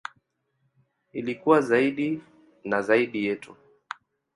Ili kuwa zaidi na zaidi yetu.